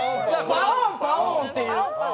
パオーンパオーンっていう。